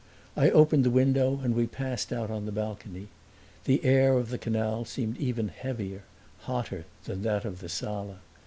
I opened the window and we passed out on the balcony. The air of the canal seemed even heavier, hotter than that of the sala.